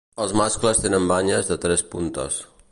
Els mascles tenen banyes de tres puntes.